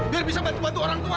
biar bisa bantu bantu orang tua